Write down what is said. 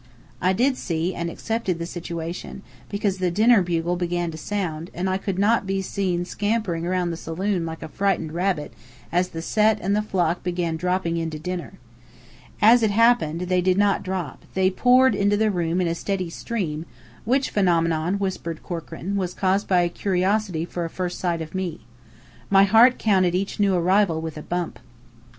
I did see; and accepted the situation, because the dinner bugle began to sound, and I could not be scampering round the saloon like a frightened rabbit as the Set and the Flock began dropping in to dinner. As it happened, they did not drop they poured into the room in a steady stream, which phenomenon, whispered Corkran, was caused by curiosity for a first sight of me. My heart counted each new arrival, with a bump.